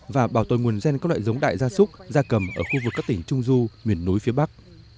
và bảo tồn nguồn gen các loại giống đại gia súc gia cầm ở khu vực các tỉnh trung du miền núi phía bắc